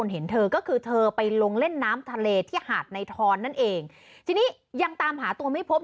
เห็นเธอก็คือเธอไปลงเล่นน้ำทะเลที่หาดในทอนนั่นเองทีนี้ยังตามหาตัวไม่พบ